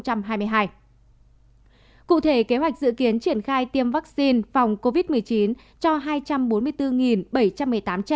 cụ thể kế hoạch dự kiến triển khai tiêm vaccine phòng covid một mươi chín cho hai trăm bốn mươi bốn bảy trăm một mươi tám trẻ